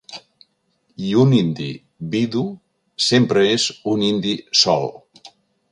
I un indi vidu sempre és un indi sol.